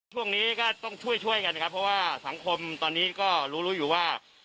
ช่วงนี้ก็ต้องช่วยช่วยกันนะครับเพราะว่าสังคมตอนนี้ก็รู้รู้อยู่ว่า